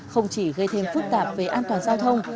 không chỉ gây thêm phức tạp về an toàn giao thông